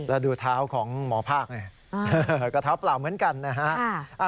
แล้วดูเท้าของหมอภาคก็เท้าเปล่าเหมือนกันนะฮะ